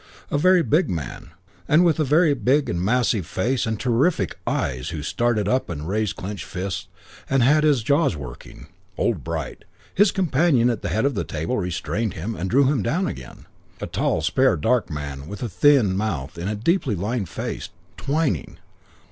A very big man, and with a very big and massive face and terrific eyes who started up and raised clenched fists and had his jaws working. Old Bright. His companion at the head of the table restrained him and drew him down again. A tall, spare, dark man with a thin mouth in a deeply lined face, Twyning.